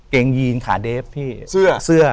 เกงยีนขาเดฟสื่อ